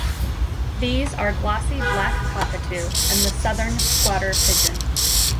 These are glossy black-cockatoo and the southern squatter pigeon.